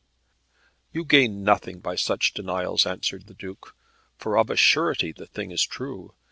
"You gain nothing by such denials," answered the Duke, "for of a surety the thing is true.